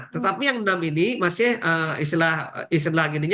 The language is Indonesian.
tetapi yang enam ini masih istilahnya gini